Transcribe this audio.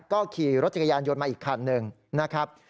ก็ขี่รถจักรยานยนต์มาอีกคันหนึ่งนะครับ